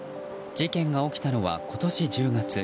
事件が起きたのは今年１０月。